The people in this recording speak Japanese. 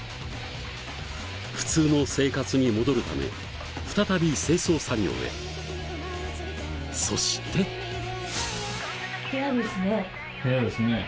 普通の生活に戻るため再び清掃作業へそして部屋ですね